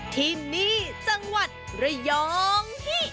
ที่นี่จังหวัดระยองฮิ